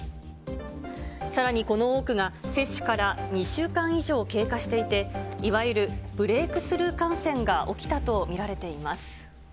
さらにこの多くが、接種から２週間以上経過していて、いわゆるブレイクスルー感染が起きたと見られています。